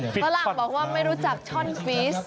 ฝรั่งบอกว่าไม่รู้จักช่อนฟีส